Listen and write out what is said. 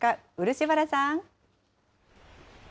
漆原さん。